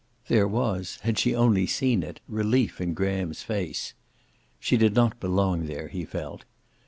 There was, had she only seen it, relief in Graham's face. She did not belong there, he felt.